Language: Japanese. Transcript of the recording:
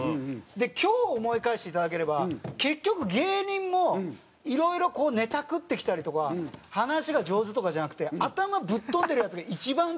で今日を思い返していただければ結局芸人もいろいろネタ繰ってきたりとか話が上手とかじゃなくてわかる。